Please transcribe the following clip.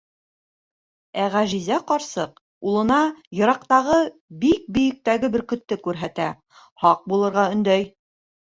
Ә Ғәжизә ҡарсыҡ улына йыраҡтағы, бик бейектәге бөркөттө күрһәтә: һаҡ булырға өндәй.